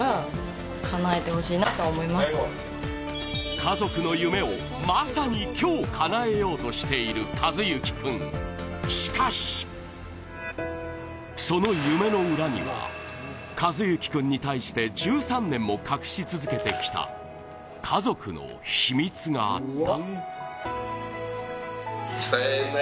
家族の夢を、まさに今日、かなえようとしている寿志君、しかしその夢の裏には寿志君に対して１３年も隠し続けてきた家族の秘密があった。